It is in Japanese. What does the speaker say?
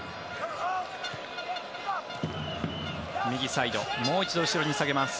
右サイドもう一度後ろに下げます。